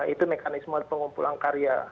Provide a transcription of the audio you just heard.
itu mekanisme pengumpulan karya